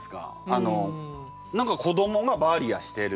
あの何か子どもが「バーリア」してる。